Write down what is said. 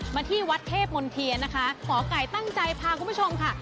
มาที่วัดเทพมนเทียนนะคะหมอไก่ตั้งใจพาคุณผู้ชมค่ะ